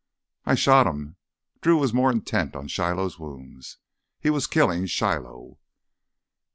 "I shot him." Drew was more intent on Shiloh's wounds. "He was killin' Shiloh."